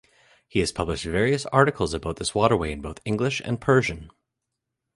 He has published various articles about this waterway in both English and Persian.